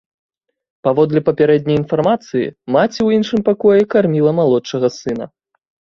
Паводле папярэдняй інфармацыі, маці ў іншым пакоі карміла малодшага сына.